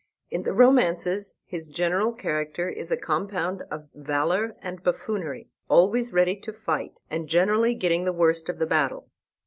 In the romances, his general character is a compound of valor and buffoonery, always ready to fight, and generally getting the worst of the battle.